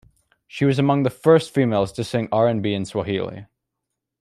She was among the first females to sing R and B in Swahili.